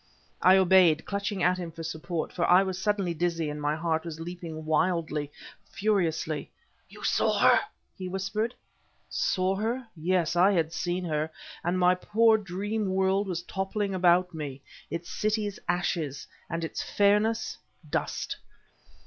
I obeyed, clutching at him for support; for I was suddenly dizzy, and my heart was leaping wildly furiously. "You saw her?" he whispered. Saw her! yes, I had seen her! And my poor dream world was toppling about me, its cities, ashes and its fairness, dust.